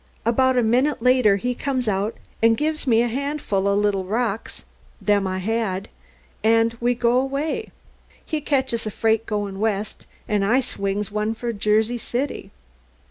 About a minute later he comes out an' gives me a handful o' little rocks them I had an' we go away. He catches a freight goin' west, an' I swings one for Jersey City."